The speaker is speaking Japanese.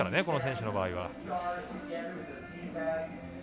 この選手の場合は。